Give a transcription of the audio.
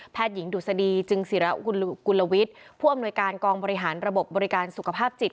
หญิงดุษฎีจึงศิระกุลวิทย์ผู้อำนวยการกองบริหารระบบบบริการสุขภาพจิต